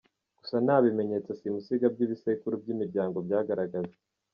Gusa nta bimenyetso simusiga by’ibisekuru by’imiryango byagaragajwe.